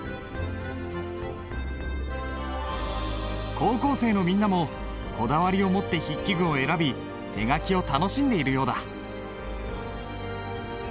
高校生のみんなもこだわりを持って筆記具を選び手書きを楽しんでいるようだ。